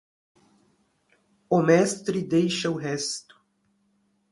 O mestre deixa o resto.